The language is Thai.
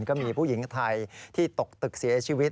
ก็มีผู้หญิงไทยที่ตกตึกเสียชีวิต